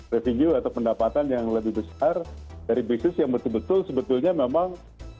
revenue atau pendapatan yang lebih besar dari bisnis yang betul betul sebetulnya memang